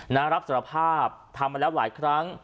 รับสารภาพทำมาแล้วหลายครั้ง